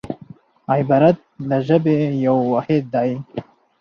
عبارت د ژبي یو واحد دئ.